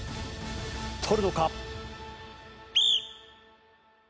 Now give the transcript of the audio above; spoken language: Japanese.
取るのか？